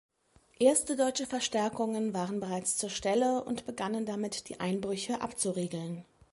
Erste deutsche Verstärkungen waren bereits zur Stelle und begannen damit, die Einbrüche abzuriegeln.